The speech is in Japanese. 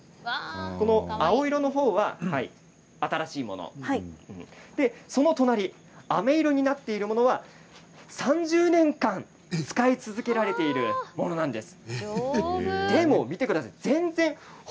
青色の方は新しいものその隣あめ色になっているものは３０年間、使い続けられているものなんです。